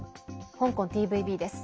香港ＴＶＢです。